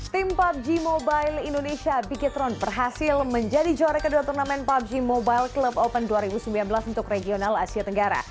tim pubg mobile indonesia bikitron berhasil menjadi juara kedua turnamen pubg mobile club open dua ribu sembilan belas untuk regional asia tenggara